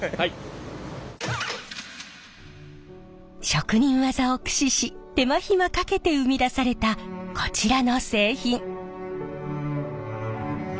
職人技を駆使し手間暇かけて生み出されたこちらの製品。